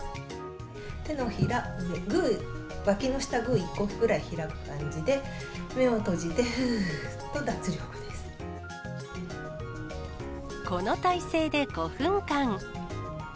手のひらは上、グー、わきの下、グー１個くらい開く感じで、目を閉じて、この体勢で５分間。